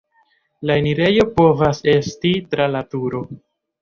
La enirejo povas esti tra la turo.